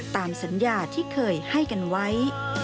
ตามสัญญาที่เคยให้กันไว้